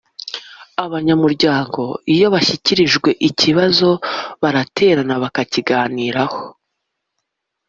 abanyamuryango iyo bashyikirijwe ikibazo baraterana bakakiganiraho.